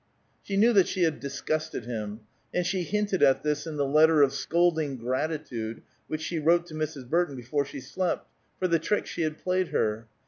She knew that she had disgusted him; and she hinted at this in the letter of scolding gratitude which she wrote to Mrs. Burton before she slept, for the trick she had played her.